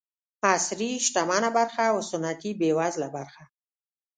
عصري شتمنه برخه او سنتي بېوزله برخه.